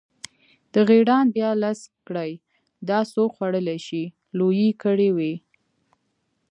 د غیراڼ بیا لس کړۍ، دا څوک خوړلی شي، لویې کړۍ وې.